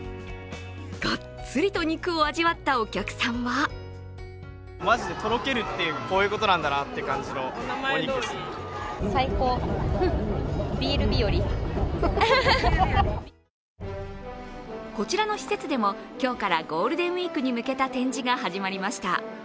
がっつりと肉を味わったお客さんはこちらの施設でも、今日からゴールデンウイークに向けた展示が始まりました。